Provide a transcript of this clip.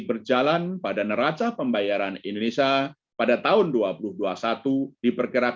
berjaya jaya hidup dan perubahan ekonomi dan perubahan perusahaan ekonomi dan perusahaan